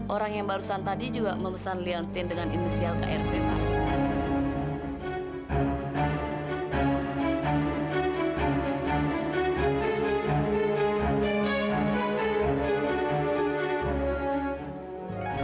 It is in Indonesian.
orang yang barusan tadi juga memesan liantin dengan inisial krp pak